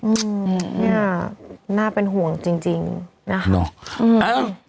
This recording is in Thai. อื้อนี่อ่ะน่าเป็นห่วงจริงนะค่ะ